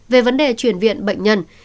về vấn đề truyền viện bệnh nhân